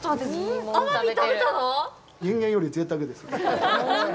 人間よりぜいたくです。